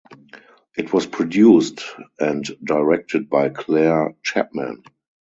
It was produced and directed by Clare Chapman.